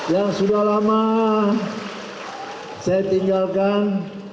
yang sudah lama saya tinggalkan